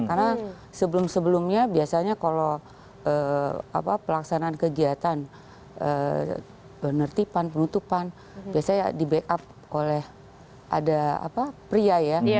karena sebelum sebelumnya biasanya kalau pelaksanaan kegiatan penertiban penutupan biasanya di backup oleh pria ya